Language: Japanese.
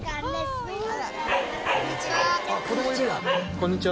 こんにちは。